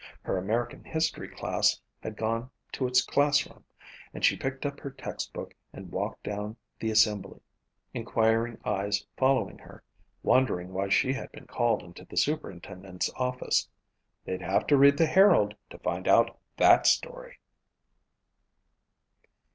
Her American History class had gone to its classroom and she picked up her textbook and walked down the assembly, inquiring eyes following her, wondering why she had been called into the superintendent's office. They'd have to read the Herald to find out that story.